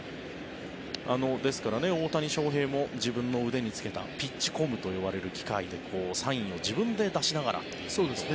ですから、大谷翔平も自分の腕につけたピッチコムといわれる機械でサインを自分で出しながらということも言われました。